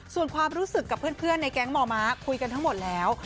ส่วนความรู้สึกกับเพื่อนในแก๊งม้าคุยกันทั้งหมดแล้ว